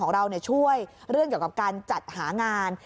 เราช่วยเรื่องเกี่ยวกับการจัดหางาน